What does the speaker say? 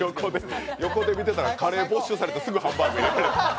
横で見てたらカレー没収されてすぐハンバーグ。